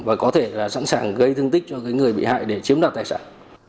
và có thể là sẵn sàng gây thương tích cho người bị hại để chiếm đoạt tài sản